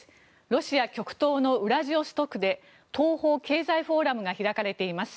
ロシア極東のウラジオストクで東方経済フォーラムが開かれています。